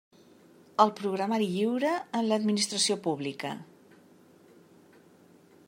El programari lliure en l'Administració Pública.